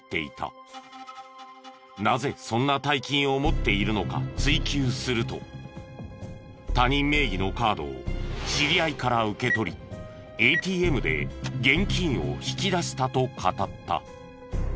なぜそんな大金を持っているのか追及すると他人名義のカードを知り合いから受け取りＡＴＭで現金を引き出したと語った。